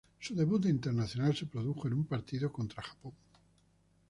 Su debut internacional se produjo en un partido contra Japón.